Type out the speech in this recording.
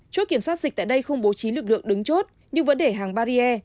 chốt kiểm soát dịch tại đây không bố trí lực lượng đứng chốt nhưng vẫn để hàng barrier